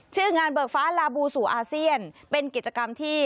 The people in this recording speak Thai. ชื่องานเบิกฟ้าลาบูสู่อาเซียนเป็นกิจกรรมที่